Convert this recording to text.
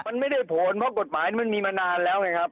มันไม่ได้ผลเพราะกฎหมายมันมีมานานแล้วไงครับ